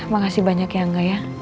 makasih banyak ya angga ya